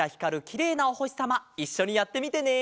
きれいなおほしさまいっしょにやってみてね！